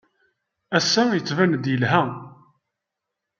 Ass-a, yettban-d yelha.